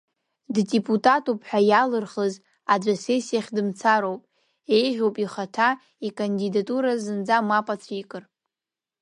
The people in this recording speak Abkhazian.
Ддепутатуп ҳәа иалырхыз аӡәы асессиахь дымцароуп, еиӷьуп ихаҭа икандидатура зынӡак мап ацәикыр.